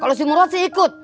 kalau si murad sih ikut